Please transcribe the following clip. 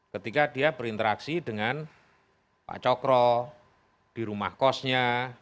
ketika dia berinteraksi dengan pak cokro di rumah kosnya